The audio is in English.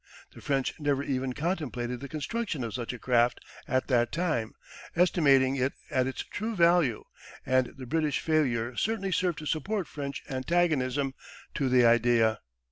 The French never even contemplated the construction of such a craft at that time, estimating it at its true value, and the British failure certainly served to support French antagonism to the idea.